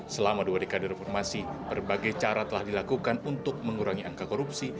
selama dua dekade reformasi berbagai cara telah dilakukan untuk mengurangi angka korupsi